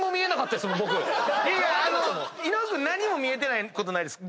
伊野尾君何も見えてないことないです。